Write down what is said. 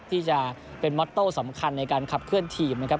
ที่จะเป็นมอเตอร์สำคัญในการขับเคลื่อนทีมนะครับ